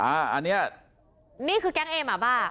อันนี้นี่คือแก๊งเอหมาบ้า